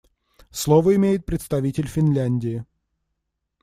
Слово имеет представитель Финляндии.